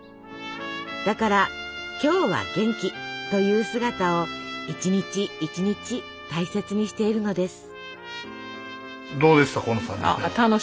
だから「今日は元気」という姿を一日一日大切にしているのです。